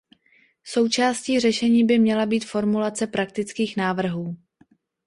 Součástí řešení by měla být formulace praktických návrhů.